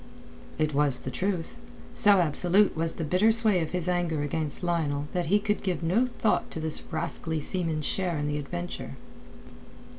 It was the truth. So absolute was the bitter sway of his anger against Lionel that he could give no thought to this rascally seaman's share in the adventure.